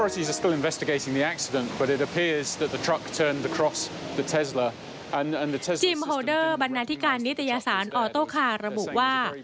ทีมโฮเดอร์บรรณาธิการนิตยสารออโต้คาร์ระบุว่า